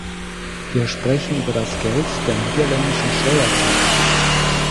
Wir sprechen über das Geld der niederländischen Steuerzahler.